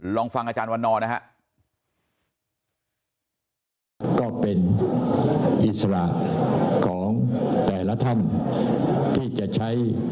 ลองฟังอาจารย์วันนอร์นะฮะ